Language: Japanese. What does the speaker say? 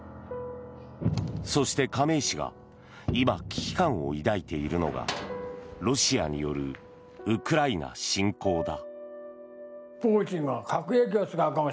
そして、亀井氏が今、危機感を抱いているのがロシアによるウクライナ侵攻だ。